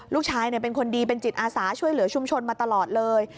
ลูกชายเป็นคนดีเป็นจิตอาสาช่วยเหลือชุมชนมาตลอดเลย